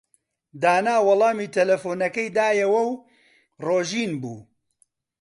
دانا وەڵامی تەلەفۆنەکەی دایەوە و ڕۆژین بوو.